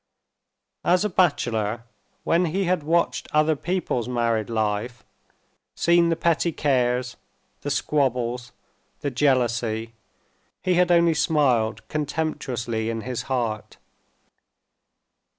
As a bachelor, when he had watched other people's married life, seen the petty cares, the squabbles, the jealousy, he had only smiled contemptuously in his heart.